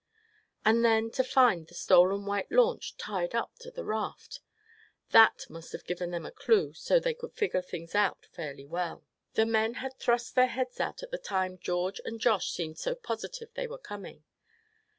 And then to find the stolen white launch tied up to the raft that must have given them a clue so they could figure things out fairly well. The men had thrust their heads out at the time George and Josh seemed so positive they were coming.